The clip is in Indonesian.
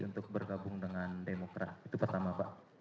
untuk bergabung dengan demokrat itu pertama pak